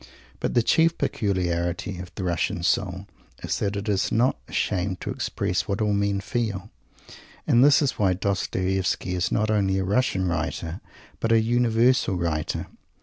But the chief peculiarity of the Russian soul is that it is not ashamed to express what all men feel. And this is why Dostoievsky is not only a Russian writer but a universal writer.